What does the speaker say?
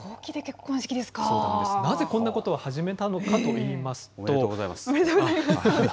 なぜこんなことを始めたのかおめでとうございます。